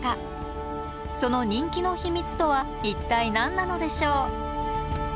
その人気の秘密とは一体何なのでしょう？